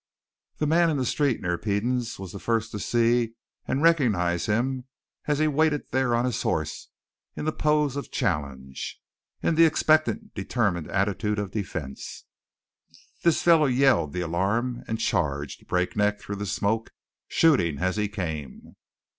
The man in the street near Peden's was the first to see and recognize him as he waited there on his horse in the pose of challenge, in the expectant, determined attitude of defense. This fellow yelled the alarm and charged, breakneck through the smoke, shooting as he came.